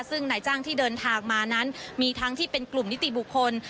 ซึ่งนายจ้างที่เดินทางมานั้นมีทั้งที่เป็นกลุ่มนิติบุคคล